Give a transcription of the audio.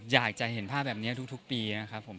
อยากจะเห็นภาพแบบนี้ทุกปีนะครับผม